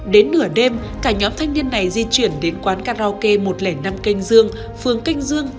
đến nửa đêm cả nhóm thanh niên này di chuyển đến quán karaoke một trăm linh năm canh dương